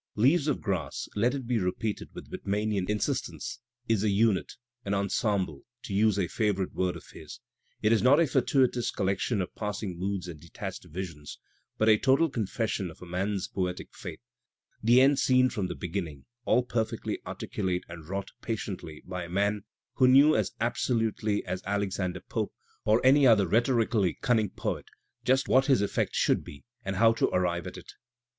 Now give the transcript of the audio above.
"Leaves of Grass — let it be repeated with Whitmanian insistence — is a unit, an ensemble, to use a favourite word of his; it is not a fortuitous collection of passing moods and detached visions, but a total confession of a man's poetic faith, the end seen from the beginning, all perfectly articulate and wrought patiently by a master who knew as absolutely as Alexander Pope or any other rhetorically cunning poet just what his eflFect should be and how to arrive at it.